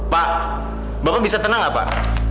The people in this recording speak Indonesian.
pak bapak bisa tenang nggak pak